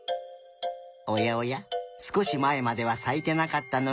おやおやすこしまえまではさいてなかったのに。